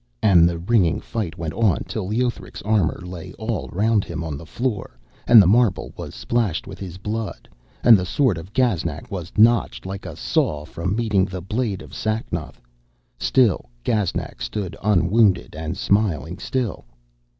And the ringing fight went on till Leothric's armour lay all round him on the floor and the marble was splashed with his blood, and the sword of Gaznak was notched like a saw from meeting the blade of Sacnoth. Still Gaznak stood unwounded and smiling still.